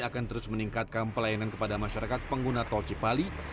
akan terus meningkatkan pelayanan kepada masyarakat pengguna tol cipali